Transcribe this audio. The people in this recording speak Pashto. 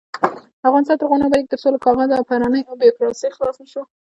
افغانستان تر هغو نه ابادیږي، ترڅو له کاغذ پرانۍ او بیروکراسۍ خلاص نشو.